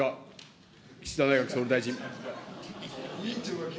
岸田内閣総理大臣。